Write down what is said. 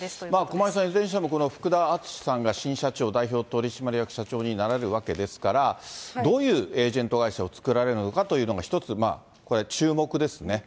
駒井さん、いずれにしても福田淳さんが新社長、代表取締役社長になられるわけですから、どういうエージェント会社を作られるのかというのが、一つこれ、注目ですね。